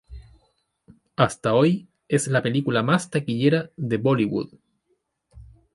Hasta hoy, es la película más taquillera de Bollywood.